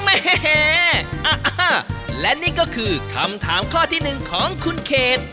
แม่และนี่ก็คือคำถามข้อที่หนึ่งของคุณเขต